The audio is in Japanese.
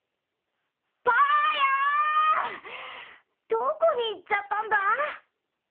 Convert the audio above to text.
どこにいっちゃったんだ？